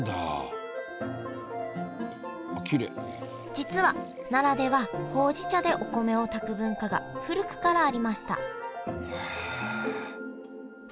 実は奈良ではほうじ茶でお米を炊く文化が古くからありましたへえ。